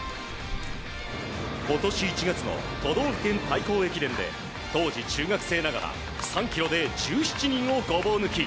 今年１月の都道府県対抗駅伝で当時中学生ながら３ｋｍで１７人をごぼう抜き。